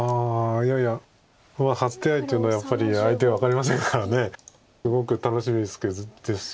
いやいや初手合っていうのはやっぱり相手分かりませんからすごく楽しみですし。